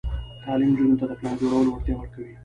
تعلیم نجونو ته د پلان جوړولو وړتیا ورکوي.